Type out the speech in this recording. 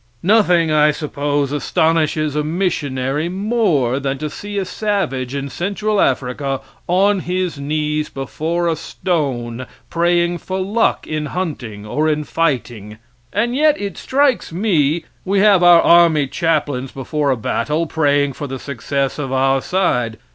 Nothing, I suppose astonishes a missionary more than to see a savage in Central Africa on his knees before a stone praying for luck in hunting or in fighting. And yet it strikes me we have our army chaplains before a battle praying for the success of our side.